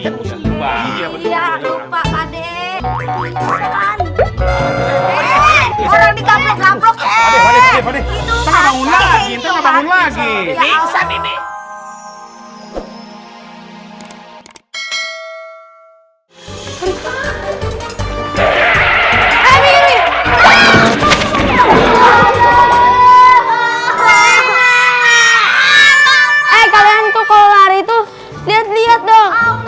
hai kalian tuh kalau hari itu lihat lihat dong